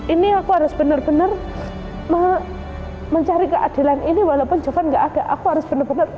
ini aku harus bener bener mencari keadilan ini walaupun javan gak ada aku harus bener bener